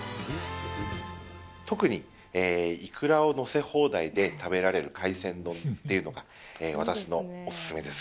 特に、イクラを載せ放題で食べられる海鮮丼っていうのが、私のお勧めです。